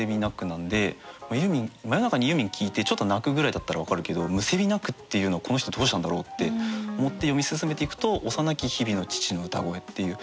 なんで真夜中にユーミン聴いてちょっと泣くぐらいだったら分かるけど咽び泣くっていうのはこの人どうしたんだろうって思って読み進めていくと「幼き日々の父の歌声」っていう。